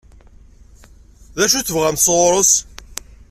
D acu i tebɣamt sɣur-s?